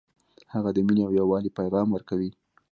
هغه د مینې او یووالي پیغام ورکوي